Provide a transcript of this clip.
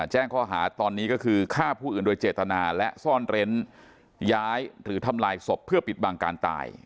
แจ้งข้อหาตอนนี้ก็คือฆ่าผู้อื่นโดยเจตนาและซ่อนเร้นย้ายหรือทำลายศพเพื่อปิดบังการตาย